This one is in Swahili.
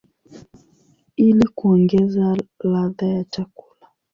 ili kuongeza ladha ya chakula.